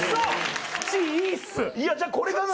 じゃあ、これかな。